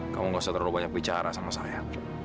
kamu tidak perlu terlalu banyak bicara sama saya